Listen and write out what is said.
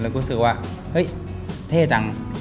และก็คิดว่าเห้ยแท่จัง